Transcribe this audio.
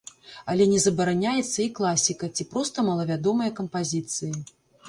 Але не забараняецца і класіка, ці проста малавядомыя кампазіцыі.